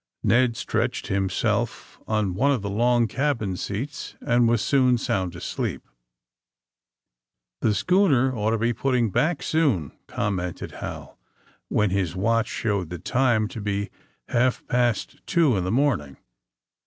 Ned stretched himself on one of the long cabin seats and was soon sound asleep. ^^The schooner ought to be jputting back soon, '' commented Hal, when his watch showed the time to be half past two in the morning.